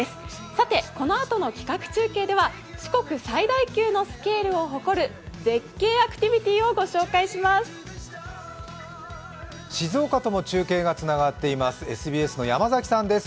さて、このあとの企画中継では四国最大級のスケールを誇る絶景アクティビティをご紹介します。